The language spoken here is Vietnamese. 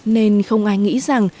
nên không ai nghĩ rằng